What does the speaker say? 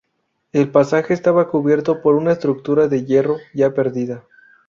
El pasaje estaba cubierto por una estructura de hierro ya perdida.